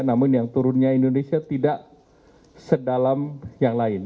namun yang turunnya indonesia tidak sedalam yang lain